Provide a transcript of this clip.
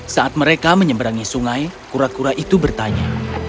saat mereka menyeberangi sungai kura kura itu bertanya